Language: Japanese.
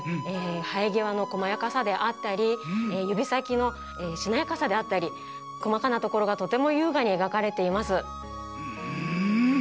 はえぎわのこまやかさであったりゆびさきのしなやかさであったりこまかなところがとてもゆうがにえがかれています。